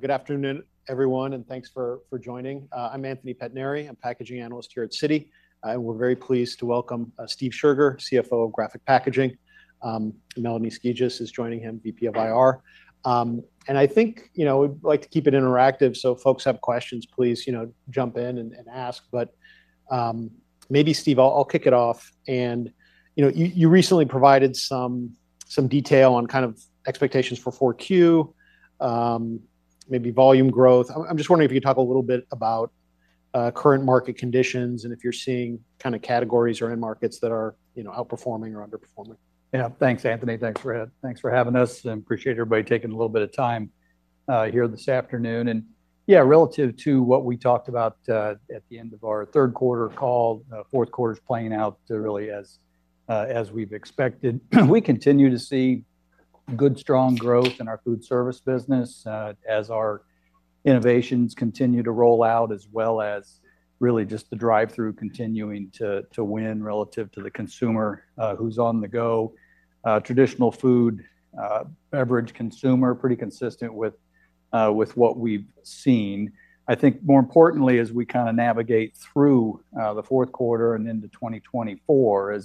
Good afternoon, everyone, and thanks for joining. I'm Anthony Pettinari. I'm a packaging analyst here at Citi. We're very pleased to welcome Steve Scherger, CFO of Graphic Packaging. Melanie Skijus is joining him, VP of IR. And I think, you know, we'd like to keep it interactive, so if folks have questions, please, you know, jump in and ask. But maybe, Steve, I'll kick it off. And you know, you recently provided some detail on kind of expectations for 4Q, maybe volume growth. I'm just wondering if you could talk a little bit about current market conditions, and if you're seeing kind of categories or end markets that are, you know, outperforming or underperforming. Yeah. Thanks, Anthony. Thanks for having us, and appreciate everybody taking a little bit of time here this afternoon. Yeah, relative to what we talked about at the end of our third quarter call, fourth quarter's playing out really as we've expected. We continue to see good, strong growth in our foodservice business as our innovations continue to roll out, as well as really just the drive-through continuing to win relative to the consumer who's on the go. Traditional food beverage consumer, pretty consistent with what we've seen. I think more importantly, as we kinda navigate through the fourth quarter and into 2024,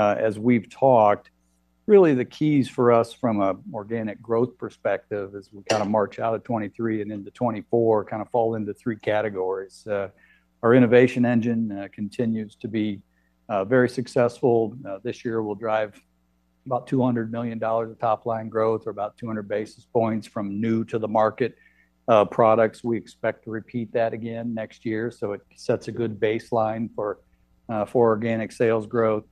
as we've talked, really the keys for us from an organic growth perspective, as we kind of march out of 2023 and into 2024, kind of fall into three categories. Our innovation engine continues to be very successful. This year will drive about $200 million of top-line growth, or about 200 basis points from new-to-the-market products. We expect to repeat that again next year, so it sets a good baseline for organic sales growth.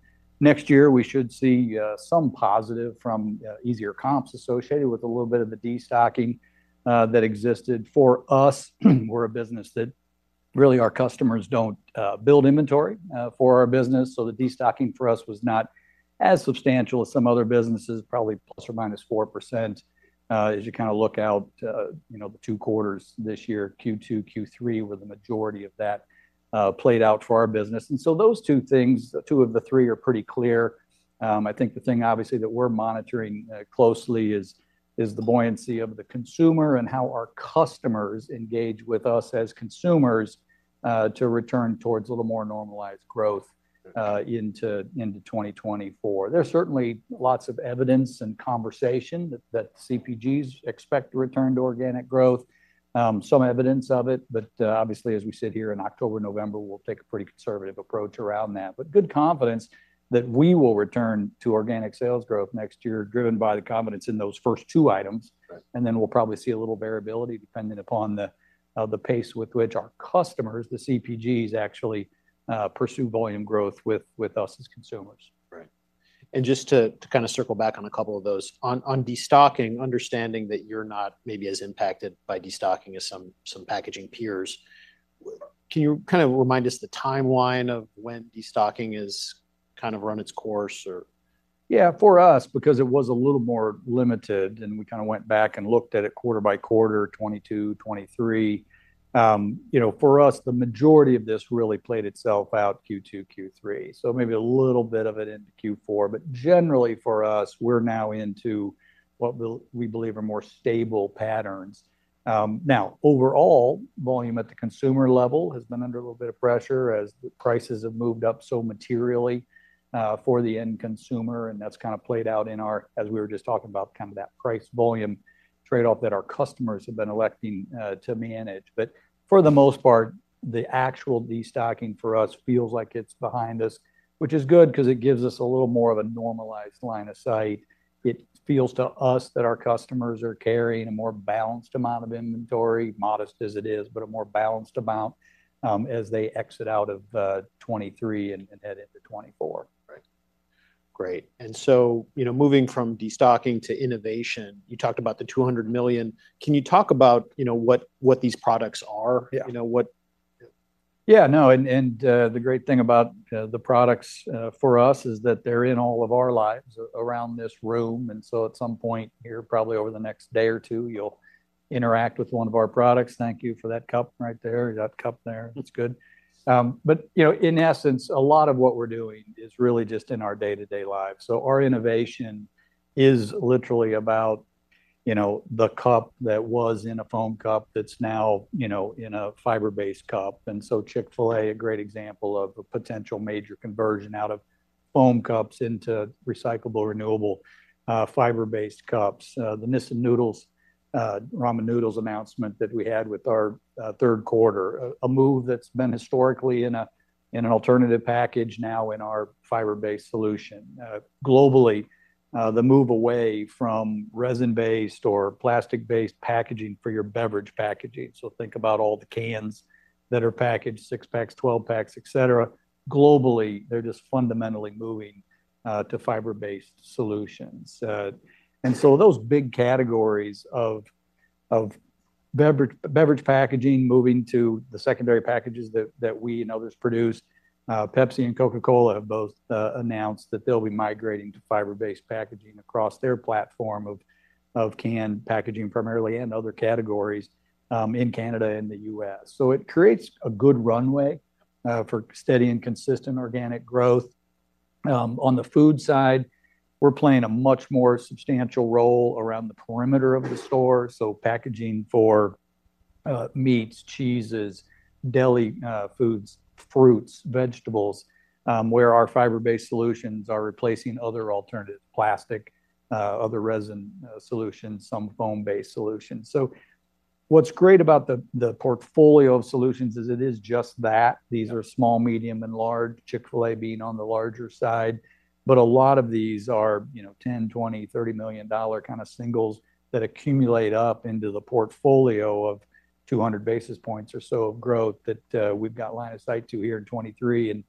Next year, we should see some positive from easier comps associated with a little bit of the destocking that existed. For us, we're a business that really our customers don't build inventory for our business, so the destocking for us was not as substantial as some other businesses, probably plus or minus 4%. As you kind of look out, you know, the two quarters this year, Q2, Q3, where the majority of that played out for our business. And so those two things, two of the three are pretty clear. I think the thing obviously that we're monitoring closely is the buoyancy of the consumer and how our customers engage with us as consumers to return towards a little more normalized growth into 2024. There's certainly lots of evidence and conversation that CPGs expect to return to organic growth. Some evidence of it, but, obviously, as we sit here in October, November, we'll take a pretty conservative approach around that. But good confidence that we will return to organic sales growth next year, driven by the confidence in those first two items. Right. Then we'll probably see a little variability depending upon the pace with which our customers, the CPGs, actually pursue volume growth with us as consumers. Right. Just to kind of circle back on a couple of those. On destocking, understanding that you're not maybe as impacted by destocking as some packaging peers, can you kind of remind us the timeline of when destocking is kind of run its course or...? Yeah, for us, because it was a little more limited and we kinda went back and looked at it quarter by quarter, 2022, 2023, you know, for us, the majority of this really played itself out Q2, Q3. So maybe a little bit of it into Q4, but generally for us, we're now into what we believe are more stable patterns. Now, overall, volume at the consumer level has been under a little bit of pressure as the prices have moved up so materially for the end consumer, and that's kind of played out in our... as we were just talking about, kind of that price volume trade-off that our customers have been electing to manage. But for the most part, the actual destocking for us feels like it's behind us, which is good 'cause it gives us a little more of a normalized line of sight. It feels to us that our customers are carrying a more balanced amount of inventory, modest as it is, but a more balanced amount, as they exit out of 2023 and head into 2024. Right. Great. And so, you know, moving from destocking to innovation, you talked about the $200 million. Can you talk about, you know, what, what these products are? Yeah. You know, what- Yeah, no, the great thing about the products for us is that they're in all of our lives around this room. So at some point here, probably over the next day or two, you'll interact with one of our products. Thank you for that cup right there. That cup there, that's good. But you know, in essence, a lot of what we're doing is really just in our day-to-day lives. So our innovation is literally about, you know, the cup that was in a foam cup that's now, you know, in a fiber-based cup. And so Chick-fil-A, a great example of a potential major conversion out of foam cups into recyclable, renewable, fiber-based cups. The Nissin noodles, ramen noodles announcement that we had with our third quarter, a move that's been historically in a, in an alternative package, now in our fiber-based solution. Globally, the move away from resin-based or plastic-based packaging for your beverage packaging. So think about all the cans that are packaged, six packs, 12 packs, et cetera,. Globally, they're just fundamentally moving to fiber-based solutions. And so those big categories of, of beverage, beverage packaging, moving to the secondary packages that, that we and others produce. Pepsi and Coca-Cola have both announced that they'll be migrating to fiber-based packaging across their platform of, of can packaging, primarily, and other categories in Canada and the U.S. So it creates a good runway for steady and consistent organic growth.... On the food side, we're playing a much more substantial role around the perimeter of the store, so packaging for, meats, cheeses, deli, foods, fruits, vegetables, where our fiber-based solutions are replacing other alternative plastic, other resin, solutions, some foam-based solutions. So what's great about the portfolio of solutions is it is just that. These are small, medium, and large, Chick-fil-A being on the larger side. But a lot of these are, you know, $10, $20, $30 million dollar kind of singles that accumulate up into the portfolio of 200 basis points or so of growth that we've got line of sight to here in 2023 and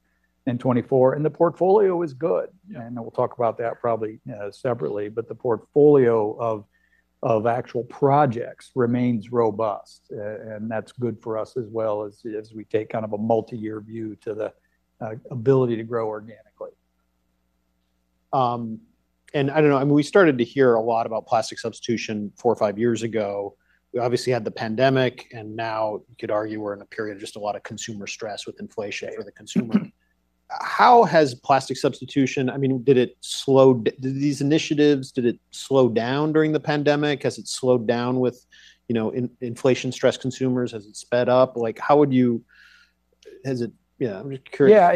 2024. And the portfolio is good. Yeah. And we'll talk about that probably, separately, but the portfolio of actual projects remains robust. And that's good for us as well as we take kind of a multi-year view to the ability to grow organically. I don't know. I mean, we started to hear a lot about plastic substitution four or five years ago. We obviously had the pandemic, and now you could argue we're in a period of just a lot of consumer stress with inflation for the consumer. Yeah. How has plastic substitution... I mean, did it slow... did these initiatives, did it slow down during the pandemic? Has it slowed down with, you know, inflation-stressed consumers? Has it sped up? Like, how would you... has it... Yeah, I'm just curious. Yeah,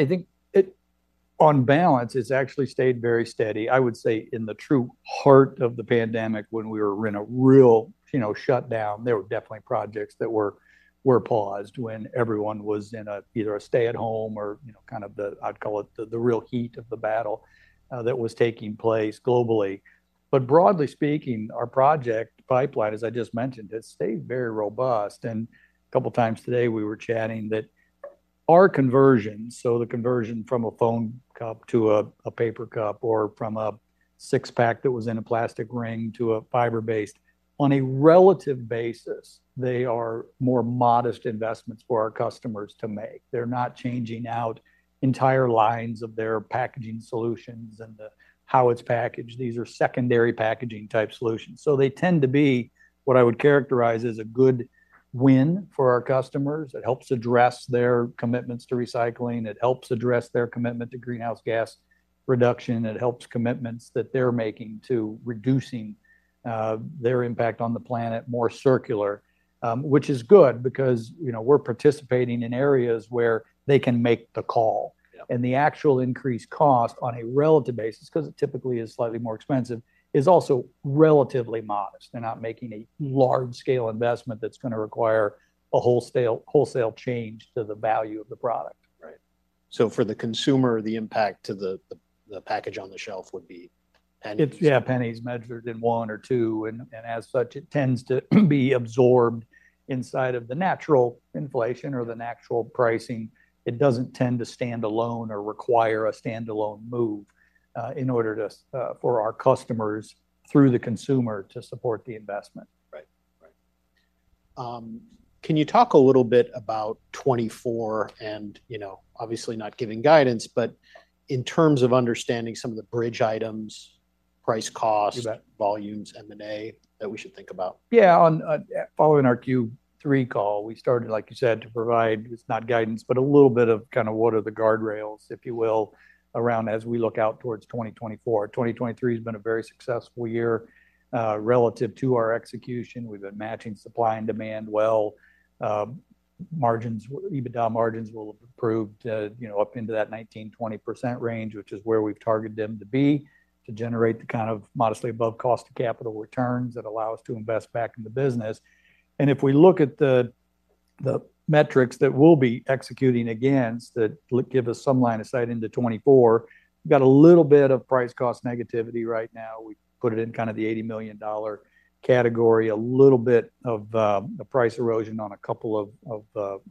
I think it, on balance, it's actually stayed very steady. I would say in the true heart of the pandemic, when we were in a real, you know, shutdown, there were definitely projects that were paused when everyone was in either a stay-at-home or, you know, kind of the real heat of the battle that was taking place globally. But broadly speaking, our project pipeline, as I just mentioned, it stayed very robust. And a couple of times today, we were chatting that our conversion, so the conversion from a foam cup to a paper cup or from a six-pack that was in a plastic ring to a fiber-based. On a relative basis, they are more modest investments for our customers to make. They're not changing out entire lines of their packaging solutions and the how it's packaged. These are secondary packaging-type solutions. So they tend to be what I would characterize as a good win for our customers. It helps address their commitments to recycling, it helps address their commitment to greenhouse gas reduction, it helps commitments that they're making to reducing, their impact on the planet more circular. Which is good because, you know, we're participating in areas where they can make the call. Yeah. The actual increased cost on a relative basis, 'cause it typically is slightly more expensive, is also relatively modest. They're not making a large-scale investment that's gonna require a wholesale, wholesale change to the value of the product. Right. So for the consumer, the impact to the package on the shelf would be pennies? It's yeah, pennies measured in one or two, and as such, it tends to be absorbed inside of the natural inflation or the natural pricing. It doesn't tend to stand alone or require a standalone move in order to for our customers, through the consumer, to support the investment. Right. Right. Can you talk a little bit about 2024? And, you know, obviously not giving guidance, but in terms of understanding some of the bridge items, price costs- You bet... volumes, M&A, that we should think about. Yeah, on following our Q3 call, we started, like you said, to provide. It's not guidance, but a little bit of kind of what are the guardrails, if you will, around as we look out towards 2024. 2023 has been a very successful year, relative to our execution. We've been matching supply and demand well. Margins, EBITDA margins will have improved, you know, up into that 19%-20% range, which is where we've targeted them to be, to generate the kind of modestly above cost of capital returns that allow us to invest back in the business. And if we look at the metrics that we'll be executing against, that'll give us some line of sight into 2024, we've got a little bit of price cost negativity right now. We put it in kind of the $80 million category, a little bit of a price erosion on a couple of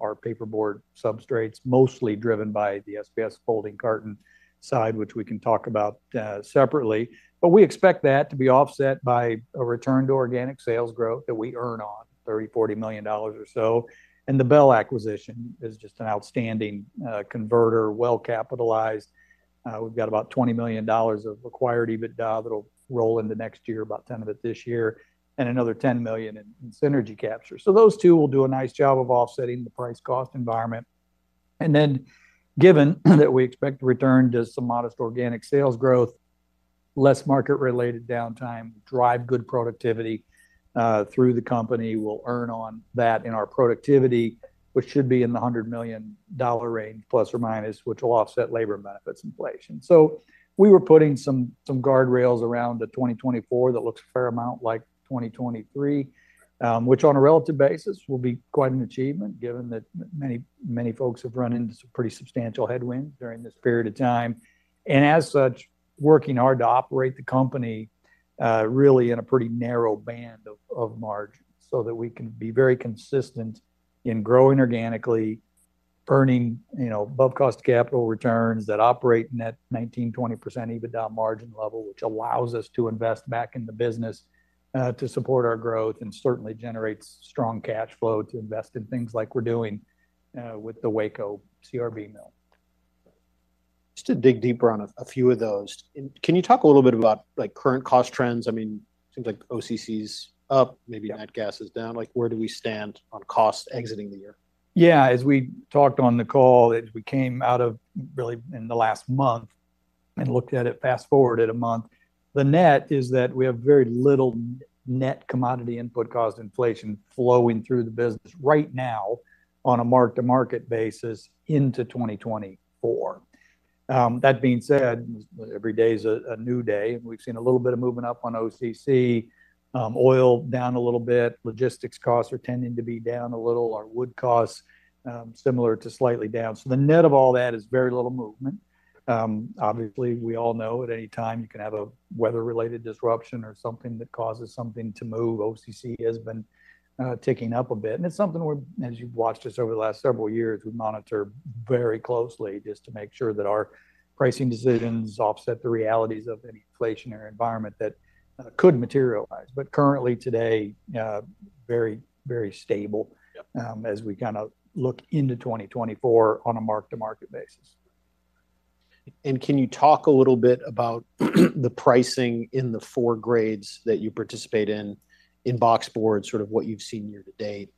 our paperboard substrates, mostly driven by the SBS folding carton side, which we can talk about separately. But we expect that to be offset by a return to organic sales growth that we earn on $30 million-$40 million or so. The Bell acquisition is just an outstanding converter, well-capitalized. We've got about $20 million of acquired EBITDA that'll roll into next year, about $10 million of it this year, and another $10 million in synergy capture. So those two will do a nice job of offsetting the price cost environment. Then given that we expect to return to some modest organic sales growth, less market-related downtime, drive good productivity through the company, we'll earn on that in our productivity, which should be in the $100 million range, ±, which will offset labor benefits inflation. So we were putting some guardrails around the 2024 that looks a fair amount like 2023, which on a relative basis, will be quite an achievement, given that many, many folks have run into some pretty substantial headwind during this period of time. As such, working hard to operate the company, really in a pretty narrow band of, of margins, so that we can be very consistent in growing organically, earning, you know, above cost capital returns that operate net 19%-20% EBITDA margin level, which allows us to invest back in the business, to support our growth, and certainly generates strong cash flow to invest in things like we're doing, with the Waco CRB mill. Just to dig deeper on a few of those. Can you talk a little bit about, like, current cost trends? I mean, it seems like OCC is up, maybe natural gas is down. Yeah. Like, where do we stand on cost exiting the year?... Yeah, as we talked on the call, as we came out of, really, in the last month, and looked at it, fast-forwarded a month, the net is that we have very little net commodity input cost inflation flowing through the business right now on a mark-to-market basis into 2024. That being said, every day is a new day, and we've seen a little bit of movement up on OCC, oil down a little bit, logistics costs are tending to be down a little. Our wood costs, similar to slightly down. So the net of all that is very little movement. Obviously, we all know at any time you can have a weather-related disruption or something that causes something to move. OCC has been ticking up a bit, and it's something we're, as you've watched us over the last several years, we monitor very closely just to make sure that our pricing decisions offset the realities of any inflationary environment that could materialize. But currently today, very, very stable- Yep... as we kinda look into 2024 on a mark-to-market basis. Can you talk a little bit about the pricing in the four grades that you participate in, in boxboard, sort of what you've seen year-to-date,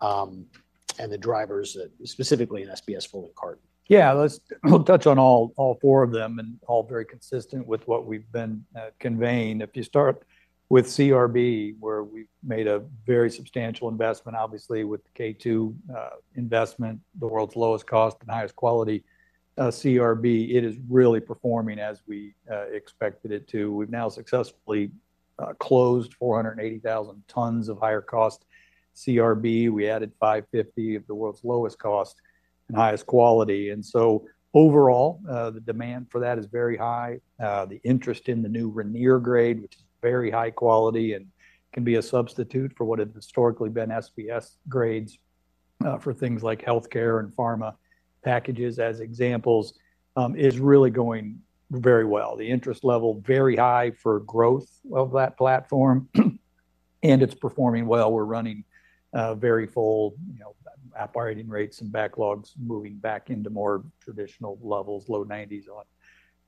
and the drivers that... Specifically in SBS folding carton? Yeah, let's touch on all, all four of them, and all very consistent with what we've been conveying. If you start with CRB, where we've made a very substantial investment, obviously, with the K2 investment, the world's lowest cost and highest quality CRB, it is really performing as we expected it to. We've now successfully closed 480,000 tons of higher cost CRB. We added 550 of the world's lowest cost and highest quality. And so overall, the demand for that is very high. The interest in the new Rainier grade, which is very high quality and can be a substitute for what had historically been SBS grades, for things like healthcare and pharma packages, as examples, is really going very well. The interest level, very high for growth of that platform, and it's performing well. We're running very full, you know, operating rates and backlogs, moving back into more traditional levels, low 90s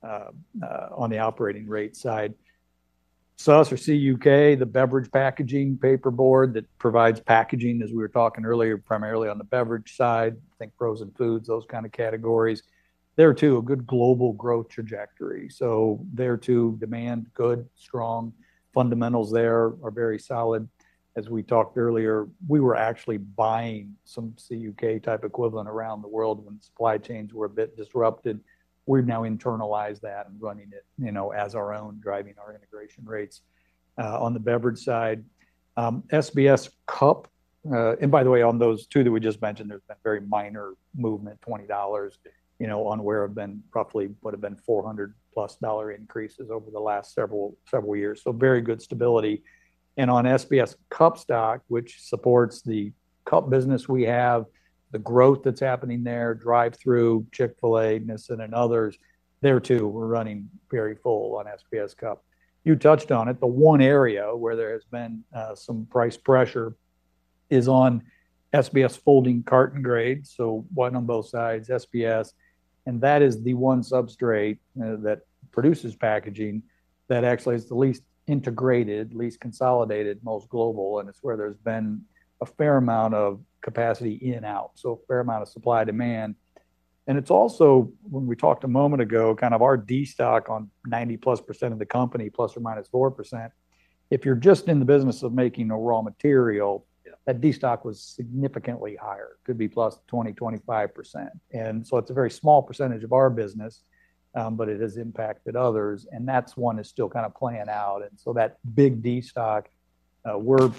on the operating rate side. SBS or CUK, the beverage packaging paperboard that provides packaging, as we were talking earlier, primarily on the beverage side, think frozen foods, those kind of categories. There, too, a good global growth trajectory. So there, too, demand good. Strong fundamentals there are very solid. As we talked earlier, we were actually buying some CUK-type equivalent around the world when supply chains were a bit disrupted. We've now internalized that and running it, you know, as our own, driving our integration rates on the beverage side. SBS cup... And by the way, on those two that we just mentioned, there's been very minor movement, $20, you know, on where have been roughly would have been $400+ dollar increases over the last several, several years. So very good stability. And on SBS cup stock, which supports the cup business we have, the growth that's happening there, drive-through, Chick-fil-A, Nissin, and others, there, too, we're running very full on SBS cup. You touched on it. The one area where there has been some price pressure is on SBS folding carton grade, so one on both sides, SBS. And that is the one substrate that produces packaging that actually is the least integrated, least consolidated, most global, and it's where there's been a fair amount of capacity in and out, so a fair amount of supply/demand. It's also, when we talked a moment ago, kind of our destock on 90+% of the company, ±4%. If you're just in the business of making a raw material- Yeah ... that D stock was significantly higher, could be+20%, +25%. So it's a very small percentage of our business, but it has impacted others, and that's one that's still kind of playing out. So that big destock, we're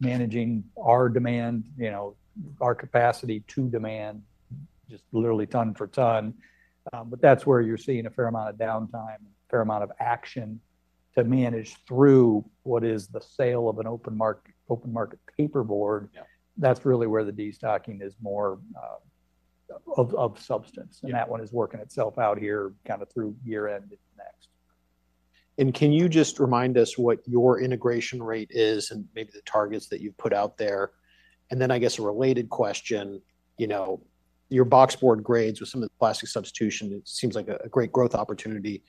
managing our demand, you know, our capacity to demand, just literally ton for ton. But that's where you're seeing a fair amount of downtime, fair amount of action to manage through what is the sale of an open market, open market paperboard. Yeah. That's really where the destocking is more of substance. Yeah. That one is working itself out here, kinda through year-end into next. Can you just remind us what your integration rate is and maybe the targets that you've put out there? And then I guess a related question, you know, your boxboard grades with some of the plastic substitution, it seems like a great growth opportunity.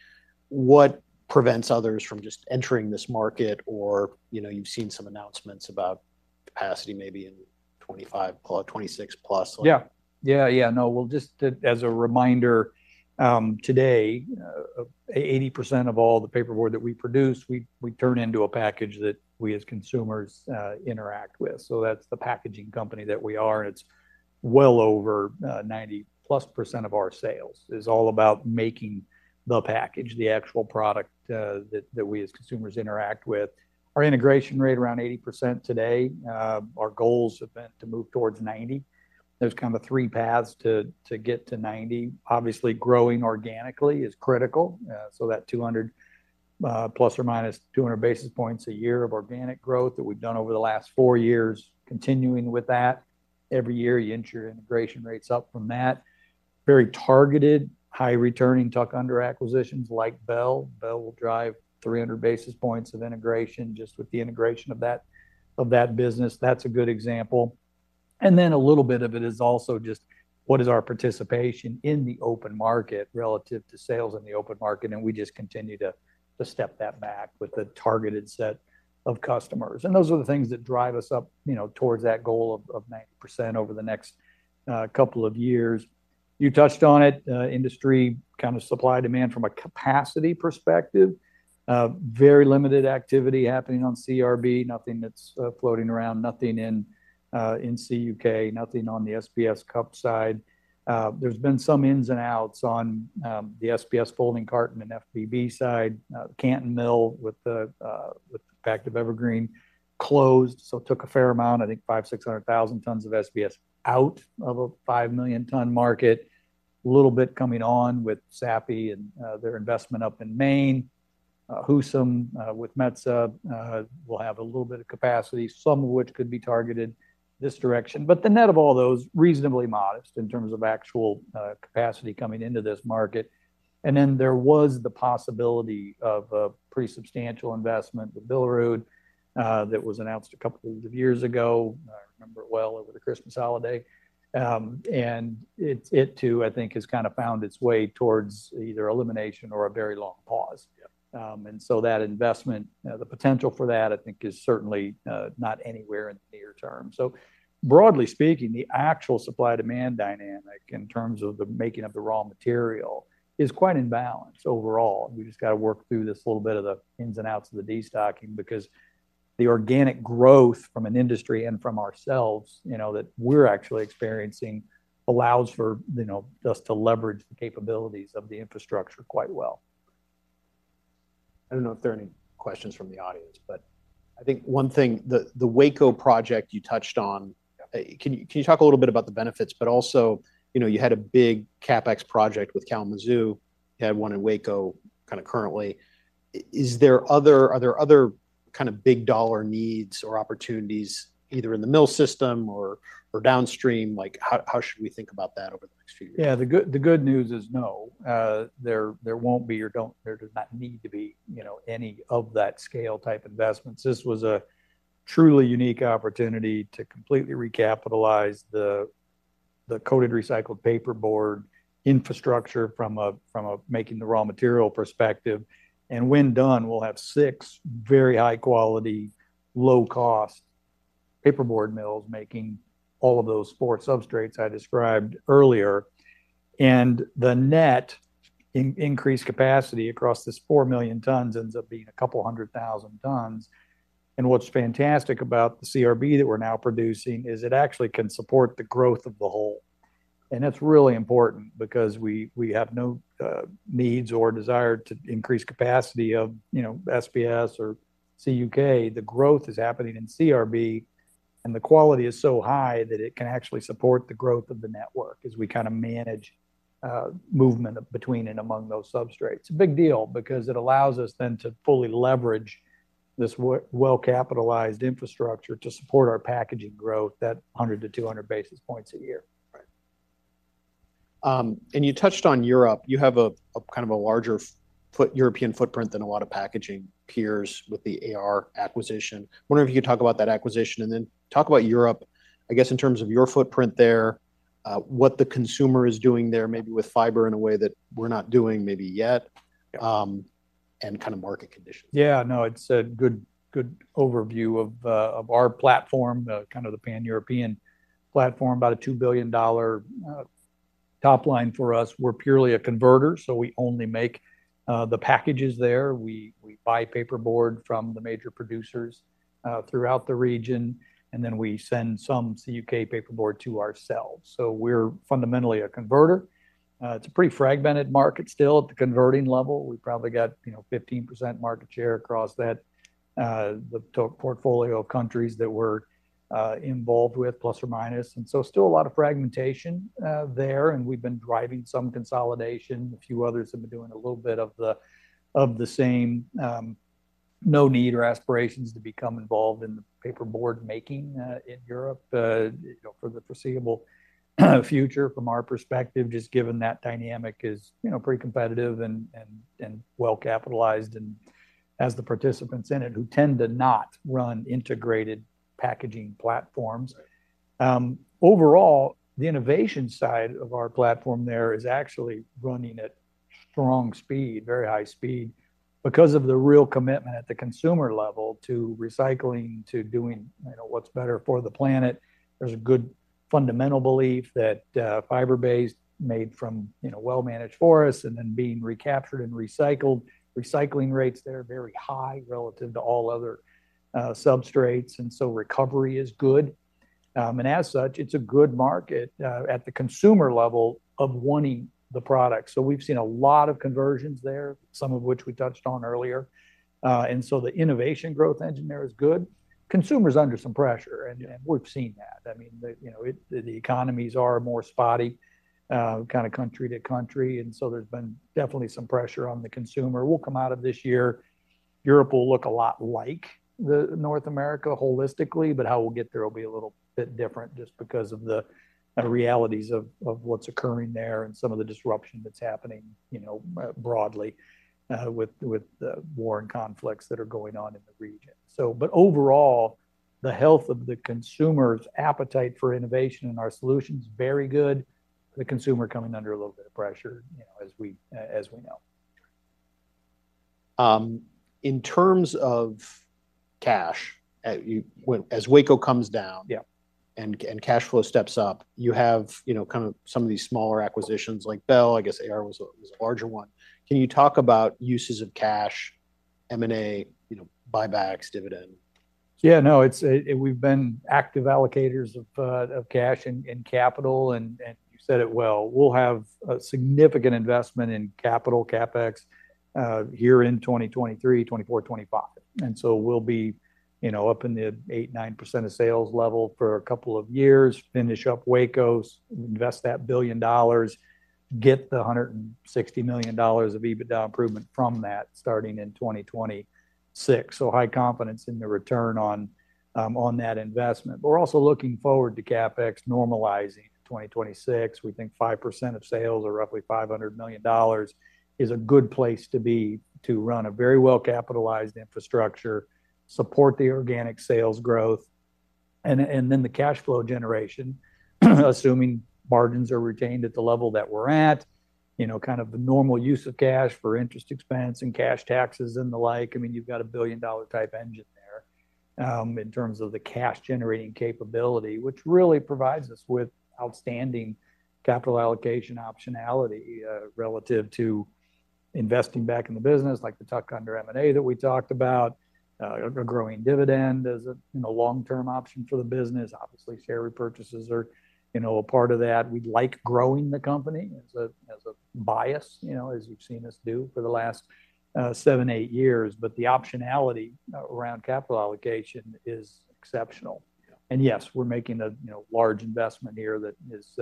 What prevents others from just entering this market? Or, you know, you've seen some announcements about capacity maybe in 2025, 2026 plus. Yeah. Yeah, yeah. No, well, just as a reminder, today, 80% of all the paperboard that we produce, we turn into a package that we, as consumers, interact with. So that's the packaging company that we are, and it's well over 90%+ of our sales is all about making the package, the actual product, that we as consumers interact with. Our integration rate around 80% today. Our goals have been to move towards 90. There's kind of three paths to get to 90. Obviously, growing organically is critical. So that 200+ or -200 basis points a year of organic growth that we've done over the last four years, continuing with that. Every year, you inch your integration rates up from that. Very targeted, high-returning, tuck-under acquisitions like Bell. Bell will drive 300 basis points of integration just with the integration of that business. That's a good example. And then a little bit of it is also just what is our participation in the open market relative to sales in the open market, and we just continue to step that back with a targeted set of customers. And those are the things that drive us up, you know, towards that goal of 90% over the next couple of years. You touched on it, industry kind of supply demand from a capacity perspective. Very limited activity happening on CRB, nothing that's floating around, nothing in CUK, nothing on the SBS cup side. There's been some ins and outs on the SBS folding carton and FBB side. Canton Mill, with the fact of Evergreen closed, so took a fair amount, I think 500,000-600,000 tons of SBS out of a 5 million ton market. A little bit coming on with Sappi and their investment up in Maine. Husum with Metsä will have a little bit of capacity, some of which could be targeted this direction. But the net of all those, reasonably modest in terms of actual capacity coming into this market. And then there was the possibility of a pretty substantial investment with Billerud that was announced a couple of years ago. I remember it well, over the Christmas holiday. And it too, I think, has kinda found its way towards either elimination or a very long pause. Yeah. And so that investment, the potential for that, I think, is certainly not anywhere in the near term. So broadly speaking, the actual supply-demand dynamic in terms of the making of the raw material is quite in balance overall. We just gotta work through this little bit of the ins and outs of the destocking, because the organic growth from an industry and from ourselves, you know, that we're actually experiencing, allows for, you know, just to leverage the capabilities of the infrastructure quite well. I don't know if there are any questions from the audience, but- I think one thing, the Waco project you touched on- Yeah. Can you talk a little bit about the benefits? But also, you know, you had a big CapEx project with Kalamazoo, you had one in Waco kinda currently. Are there other kind of big dollar needs or opportunities, either in the mill system or downstream? Like, how should we think about that over the next few years? Yeah, the good news is no. There won't be. There does not need to be, you know, any of that scale type investments. This was a truly unique opportunity to completely recapitalize the coated recycled paperboard infrastructure from a making the raw material perspective. And when done, we'll have six very high quality, low cost paperboard mills making all of those four substrates I described earlier. And the net increased capacity across this 4 million tons ends up being a couple hundred thousand tons. And what's fantastic about the CRB that we're now producing is it actually can support the growth of the whole. And that's really important because we have no needs or desire to increase capacity of, you know, SBS or CUK. The growth is happening in CRB, and the quality is so high that it can actually support the growth of the network as we kinda manage, movement between and among those substrates. It's a big deal because it allows us then to fully leverage this well, well-capitalized infrastructure to support our packaging growth, that 100 basis points-200 basis points a year. Right. And you touched on Europe. You have a kind of a larger European footprint than a lot of packaging peers with the AR acquisition. Wondering if you could talk about that acquisition, and then talk about Europe, I guess, in terms of your footprint there, what the consumer is doing there, maybe with fiber in a way that we're not doing maybe yet, and kind of market conditions? Yeah. No, it's a good, good overview of of our platform, kind of the Pan-European platform, about a $2 billion top line for us. We're purely a converter, so we only make the packages there. We, we buy paperboard from the major producers throughout the region, and then we send some CUK paperboard to ourselves. So we're fundamentally a converter. It's a pretty fragmented market still at the converting level. We probably got, you know, 15% market share across that portfolio of countries that we're involved with, plus or minus. And so still a lot of fragmentation there, and we've been driving some consolidation. A few others have been doing a little bit of the, of the same. No need or aspirations to become involved in the paperboard making in Europe, you know, for the foreseeable future from our perspective, just given that dynamic is, you know, pretty competitive and well-capitalized, and has the participants in it, who tend to not run integrated packaging platforms. Overall, the innovation side of our platform there is actually running at strong speed, very high speed, because of the real commitment at the consumer level to recycling, to doing, you know, what's better for the planet. There's a good fundamental belief that fiber-based, made from, you know, well-managed forests and then being recaptured and recycled. Recycling rates there are very high relative to all other substrates, and so recovery is good. And as such, it's a good market at the consumer level of wanting the product. So we've seen a lot of conversions there, some of which we touched on earlier. And so the innovation growth engine there is good. Consumer is under some pressure, and we've seen that. I mean, you know, the economies are more spotty, kinda country to country, and so there's been definitely some pressure on the consumer. We'll come out of this year, Europe will look a lot like North America holistically, but how we'll get there will be a little bit different, just because of the realities of what's occurring there and some of the disruption that's happening, you know, broadly, with the war and conflicts that are going on in the region. So, but overall, the health of the consumer's appetite for innovation and our solution is very good. The consumer coming under a little bit of pressure, you know, as we know.... In terms of cash, when as Waco comes down- Yeah. and cash flow steps up, you have, you know, kind of some of these smaller acquisitions like Bell. I guess AR was a larger one. Can you talk about uses of cash, M&A, you know, buybacks, dividend? Yeah, no, it's... We've been active allocators of of cash and, and capital, and, and you said it well. We'll have a significant investment in capital CapEx, here in 2023, 2024, 2025. And so we'll be, you know, up in the 8%-9% of sales level for a couple of years, finish up Waco, invest that $1 billion, get the $160 million of EBITDA improvement from that, starting in 2026. So high confidence in the return on, on that investment. But we're also looking forward to CapEx normalizing in 2026. We think 5% of sales or roughly $500 million is a good place to be, to run a very well-capitalized infrastructure, support the organic sales growth. Then the cash flow generation, assuming margins are retained at the level that we're at, you know, kind of the normal use of cash for interest expense and cash taxes and the like. I mean, you've got a billion-dollar type engine there, in terms of the cash-generating capability, which really provides us with outstanding capital allocation optionality, relative to investing back in the business, like the tuck under M&A that we talked about, a growing dividend as a, you know, long-term option for the business. Obviously, share repurchases are, you know, a part of that. We'd like growing the company as a, as a bias, you know, as you've seen us do for the last seven, eight years. But the optionality around capital allocation is exceptional. Yeah. Yes, we're making a, you know, large investment here that is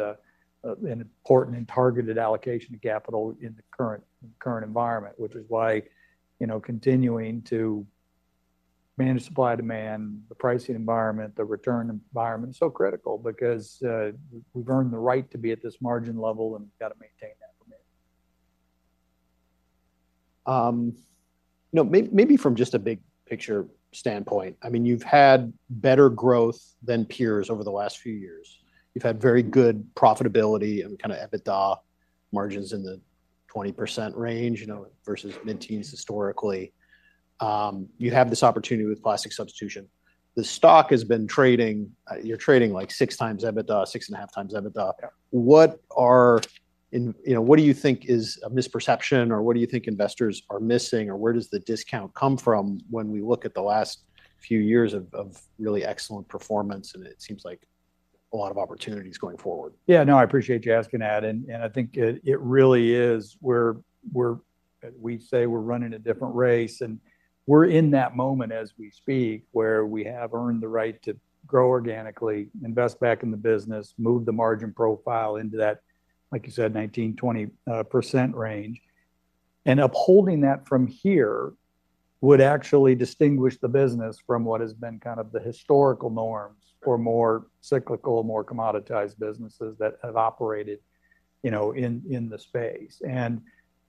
an important and targeted allocation of capital in the current, current environment, which is why, you know, continuing to manage supply-demand, the pricing environment, the return environment is so critical because we've earned the right to be at this margin level, and we've got to maintain that for me. Now maybe from just a big picture standpoint, I mean, you've had better growth than peers over the last few years. You've had very good profitability and kind of EBITDA margins in the 20% range, you know, versus mid-teens historically. You have this opportunity with plastic substitution. The stock has been trading, you're trading like 6x EBITDA, 6.5x EBITDA. Yeah. You know, what do you think is a misperception, or what do you think investors are missing, or where does the discount come from when we look at the last few years of really excellent performance, and it seems like a lot of opportunities going forward? Yeah. No, I appreciate you asking that, and I think it really is we're running a different race, and we're in that moment as we speak, where we have earned the right to grow organically, invest back in the business, move the margin profile into that, like you said, 19%-20% range. And upholding that from here would actually distinguish the business from what has been kind of the historical norms for more cyclical, more commoditized businesses that have operated, you know, in the space. And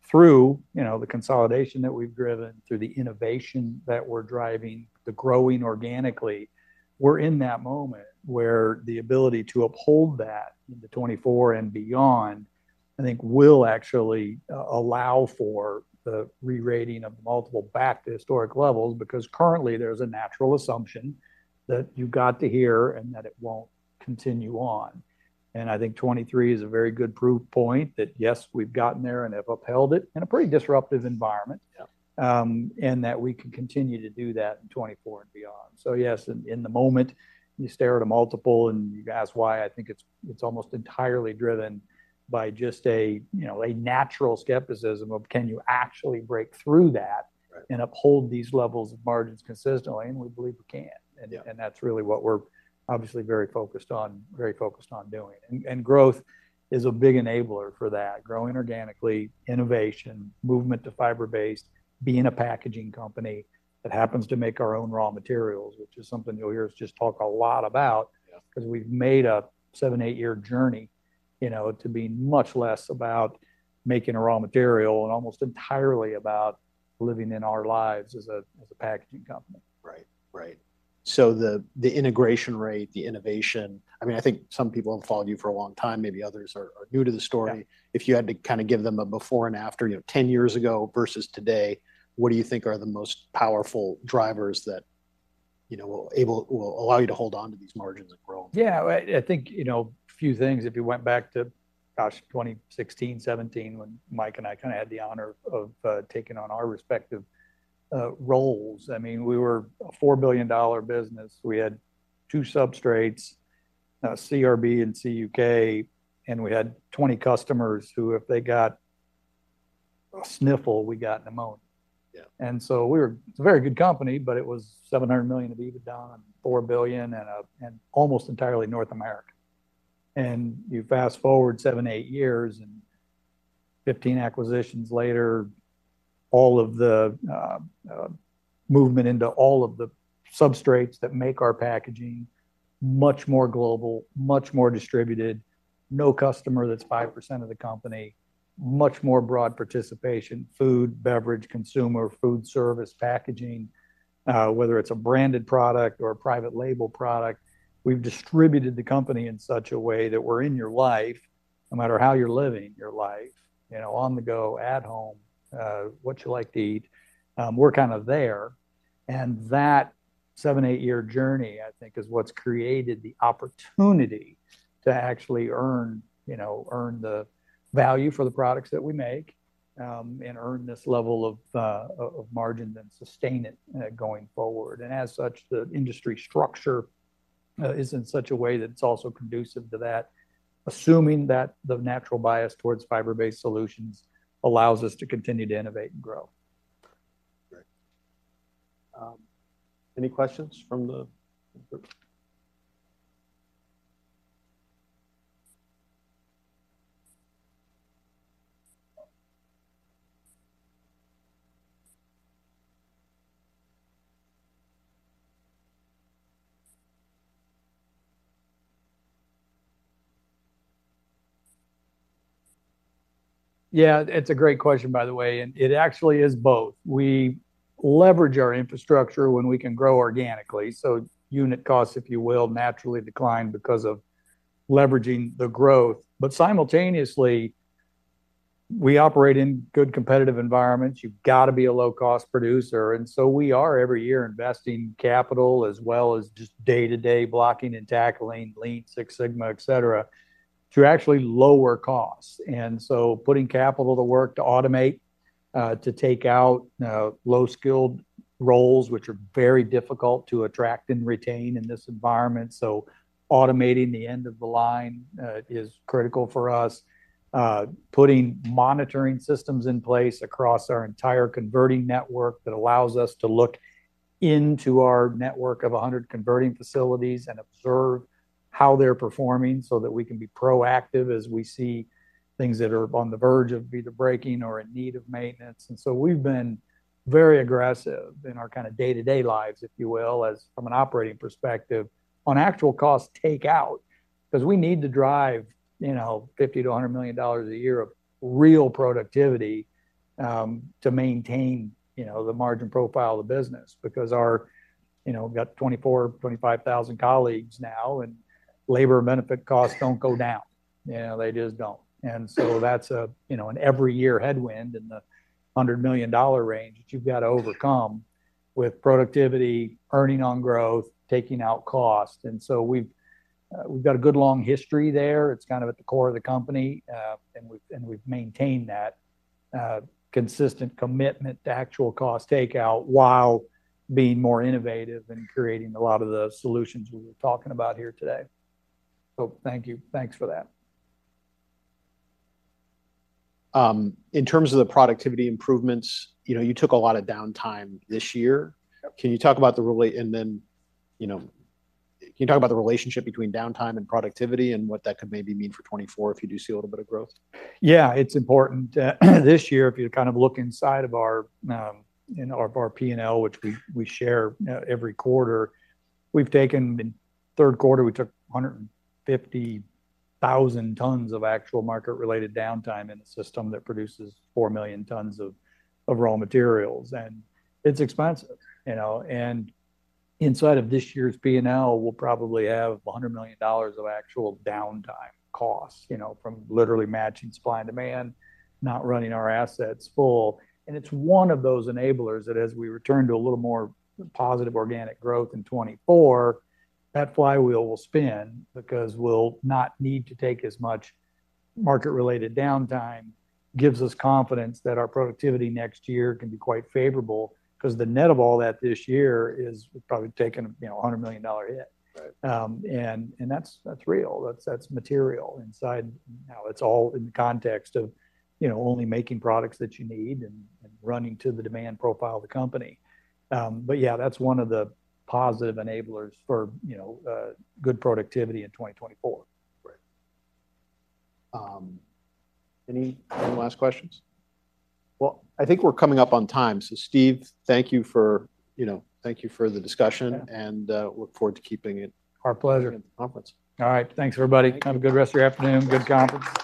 through, you know, the consolidation that we've driven, through the innovation that we're driving, the growing organically, we're in that moment where the ability to uphold that into 2024 and beyond, I think, will actually allow for the rerating of multiple back to historic levels. Because currently, there's a natural assumption that you've got to hear and that it won't continue on. And I think 2023 is a very good proof point that, yes, we've gotten there and have upheld it in a pretty disruptive environment. Yeah. And that we can continue to do that in 2024 and beyond. So yes, in, in the moment, you stare at a multiple, and you ask why. I think it's, it's almost entirely driven by just a, you know, a natural skepticism of can you actually break through that- Right... and uphold these levels of margins consistently? We believe we can. Yeah. That's really what we're obviously very focused on, very focused on doing. Growth is a big enabler for that. Growing organically, innovation, movement to fiber-based, being a packaging company that happens to make our own raw materials, which is something you'll hear us just talk a lot about- Yeah... because we've made a seven to eight year journey, you know, to be much less about making a raw material and almost entirely about living in our lives as a, as a packaging company. Right. Right. So the integration rate, the innovation, I mean, I think some people have followed you for a long time, maybe others are new to the story. Yeah. If you had to kind of give them a before and after, you know, 10 years ago versus today, what do you think are the most powerful drivers that, you know, will allow you to hold on to these margins and grow? Yeah, I think, you know, a few things. If you went back to, gosh, 2016, 2017, when Mike and I kind of had the honor of taking on our respective roles, I mean, we were a $4 billion business. We had two substrates, CRB and CUK, and we had 20 customers who, if they got a sniffle, we got pneumonia. Yeah. So we were a very good company, but it was $700 million of EBITDA on $4 billion and, and almost entirely North America. And you fast-forward seven to eight years and 15 acquisitions later, all of the movement into all of the substrates that make our packaging much more global, much more distributed. No customer that's 5% of the company. Much more broad participation, food, beverage, consumer, foodservice, packaging. Whether it's a branded product or a private label product, we've distributed the company in such a way that we're in your life, no matter how you're living your life, you know, on the go, at home, what you like to eat, we're kind of there. And that seven to eight year journey, I think, is what's created the opportunity to actually earn, you know, earn the value for the products that we make, and earn this level of margin, then sustain it, going forward. And as such, the industry structure is in such a way that it's also conducive to that, assuming that the natural bias towards fiber-based solutions allows us to continue to innovate and grow. Great. Any questions from the group? Yeah, it's a great question, by the way, and it actually is both. We leverage our infrastructure when we can grow organically, so unit costs, if you will, naturally decline because of leveraging the growth. But simultaneously, we operate in good competitive environments. You've got to be a low-cost producer, and so we are every year investing capital as well as just day-to-day blocking and tackling, Lean, Six Sigma, et cetera, to actually lower costs. And so putting capital to work to automate, to take out, low-skilled roles, which are very difficult to attract and retain in this environment. So automating the end of the line is critical for us. Putting monitoring systems in place across our entire converting network that allows us to look into our network of 100 converting facilities and observe how they're performing, so that we can be proactive as we see things that are on the verge of either breaking or in need of maintenance. And so we've been very aggressive in our kinda day-to-day lives, if you will, as from an operating perspective, on actual cost take out. Because we need to drive, you know, $50 million-$100 million a year of real productivity to maintain, you know, the margin profile of the business. Because our. You know, we've got 24,000-25,000 colleagues now, and labor benefit costs don't go down. Yeah, they just don't. And so that's a, you know, an every year headwind in the $100 million range that you've got to overcome with productivity, earning on growth, taking out cost. And so we've, we've got a good long history there. It's kind of at the core of the company, and we've, and we've maintained that, consistent commitment to actual cost takeout, while being more innovative and creating a lot of the solutions we were talking about here today. So thank you. Thanks for that. In terms of the productivity improvements, you know, you took a lot of downtime this year. Yep. Can you talk about the relationship between downtime and productivity, and what that could maybe mean for 2024, if you do see a little bit of growth? Yeah, it's important. This year, if you kind of look inside of our, you know, our P&L, which we share every quarter, we've taken. In the third quarter, we took 150,000 tons of actual market-related downtime in a system that produces 4 million tons of raw materials, and it's expensive, you know? And inside of this year's P&L, we'll probably have $100 million of actual downtime costs, you know, from literally matching supply and demand, not running our assets full. And it's one of those enablers that as we return to a little more positive organic growth in 2024, that flywheel will spin, because we'll not need to take as much market-related downtime, gives us confidence that our productivity next year can be quite favorable. Because the net of all that this year is probably taking, you know, a $100 million hit. Right. And that's real, that's material inside. Now, it's all in the context of, you know, only making products that you need and running to the demand profile of the company. But yeah, that's one of the positive enablers for, you know, good productivity in 2024. Great. Any last questions? Well, I think we're coming up on time. So Steve, thank you for, you know, thank you for the discussion- Yeah. and, look forward to keeping it Our pleasure... at the conference. All right. Thanks, everybody. Have a good rest of your afternoon. Good conference.